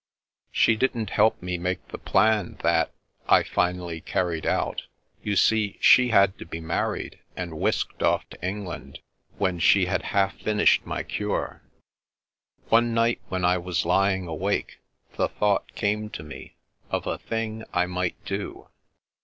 "She didn't help me make the plan that — ^I finally carried out. You see, she had to be married, and whisked off to England, when she had half finished my cure. One night when I was lying awake, the thought came to me— of a thing I might do.